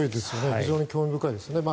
非常に興味深いです。